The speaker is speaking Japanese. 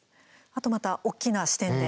あと、また、大きな視点で。